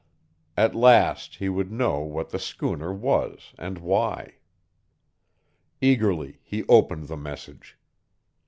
At last he would know what the schooner was and why. Eagerly he opened the message.